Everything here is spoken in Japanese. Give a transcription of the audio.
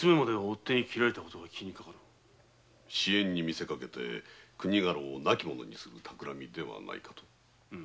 私怨に見せかけて国家老を亡き者にするたくらみではないかと？